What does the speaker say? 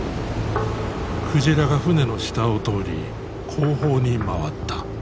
鯨が船の下を通り後方に回った。